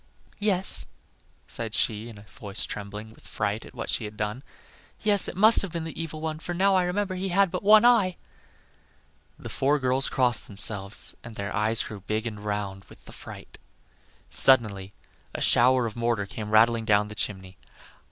"Yes," said she, in a voice trembling with fright at what she had done, "yes, it must have been the evil one, for now I remember he had but one eye." The four girls crossed themselves, and their eyes grew big and round with the fright. Suddenly a shower of mortar came rattling down the chimney.